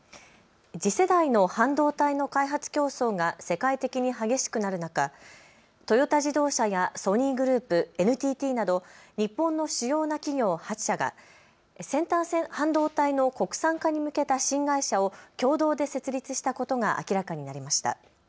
次世代の半導体の開発競争が世界的に激しくなる中、トヨタ自動車やソニーグループ、ＮＴＴなど日本の主要な企業８社が、先端半導体の国産化に向けた新会社を共同で設立したことが明らかになりました。